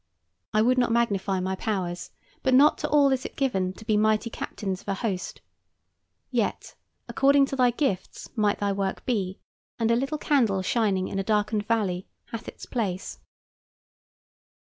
I would not magnify my powers, but not to all is it given to be mighty captains of a host. Yet, according to thy gifts might thy work be, and a little candle shining in a darkened valley hath its place.